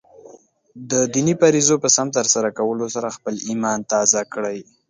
د دیني فریضو په سم ترسره کولو سره خپله ایمان تازه کړئ.